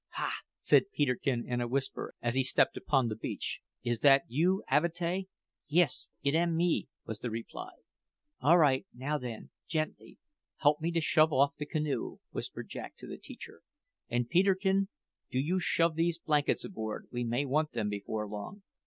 "Ha!" said Peterkin in a whisper as he stepped upon the beach; "is that you, Avatea?" "Yis, it am me," was the reply. "All right Now, then, gently Help me to shove off the canoe," whispered Jack to the teacher. "And, Peterkin, do you shove these blankets aboard; we may want them before long.